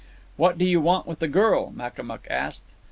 "What do you want with the girl?" Makamuk asked.